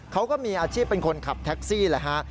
เขาก็มีอาชีพเป็นคนขับแท็กซี่แหละฮะ